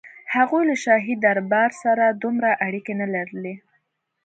هغوی له شاهي دربار سره دومره اړیکې نه لرلې.